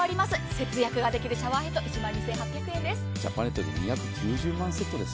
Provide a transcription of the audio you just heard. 節約ができるシャワーヘッド、１万２８００円です。